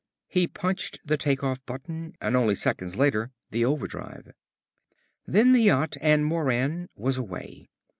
He punched the take off button and only seconds later the overdrive. Then the yacht and Moran was away.